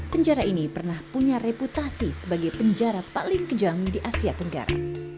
penjara ini pernah punya reputasi sebagai penjara paling kejam di asia tenggara